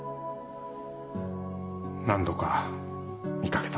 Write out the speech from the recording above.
何度か見掛けた。